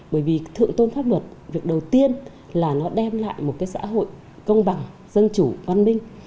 bởi vì thượng tôn pháp luật việc đầu tiên là nó đem lại một cái xã hội công bằng dân chủ văn minh